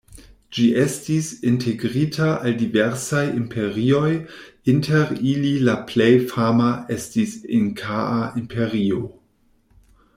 Ĝi estis integrita al diversaj imperioj, inter ili la plej fama estis Inkaa Imperio.